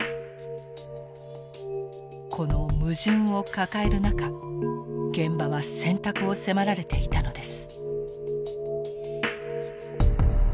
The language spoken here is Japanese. この矛盾を抱える中現場は選択を迫られていたのです。